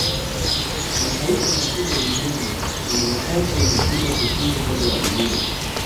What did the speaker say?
mataifa makubwa duniani kuna wakati yanashindwa kufuzu kombe la dunia